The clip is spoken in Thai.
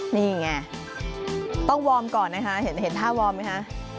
นี่ไงต้องวอร์มก่อนนะคะเห็นท่าวอร์มไหมคะ